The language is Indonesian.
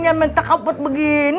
yang minta kau buat begini